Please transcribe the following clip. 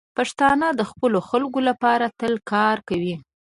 پښتانه د خپلو خلکو لپاره تل کار کوي.